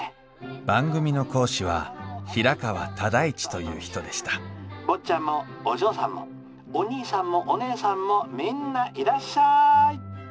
番組の講師は平川唯一という人でした「坊ちゃんもお嬢さんもお兄さんもお姉さんもみんないらっしゃい」。